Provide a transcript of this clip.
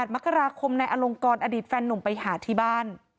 ๘มกราคมนายอลงกรอดีตแฟนนุ่มไปหาที่บ้าน